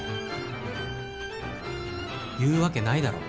言うわけないだろ。